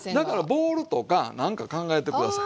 ボウルとかなんか考えて下さい。